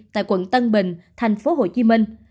tại quận tân bình thành phố hồ chí minh